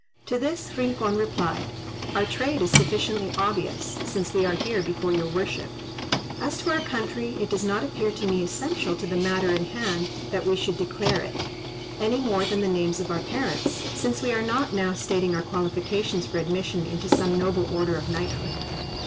To this Rincon replied, "Our trade is sufficiently obvious, since we are here before your worship; as to our country, it does not appear to me essential to the matter in hand that we should declare it, any more than the names of our parents, since we are not now stating our qualifications for admission into some noble order of knighthood."